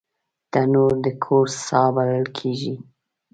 تنور د کور ساه بلل کېږي